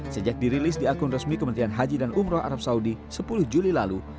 sejak dirilis di akun resmi kementerian haji dan umroh arab saudi sepuluh juli lalu